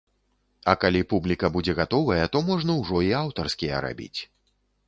А калі публіка будзе гатовая, то можна ўжо і аўтарскія рабіць.